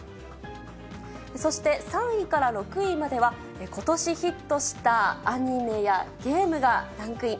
そして、３位から６位まではことしヒットしたアニメやゲームがランクイン。